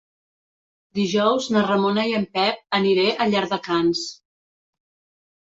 Dijous na Ramona i en Pep aniré a Llardecans.